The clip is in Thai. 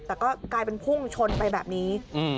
แต่ก็กลายเป็นพุ่งชนไปแบบนี้